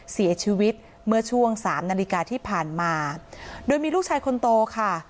เสียชีวิตเมื่อช่วงสามนาฬิกาที่ผ่านมาโดยมีลูกชายคนโตค่ะ